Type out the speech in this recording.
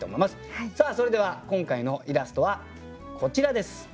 さあそれでは今回のイラストはこちらです。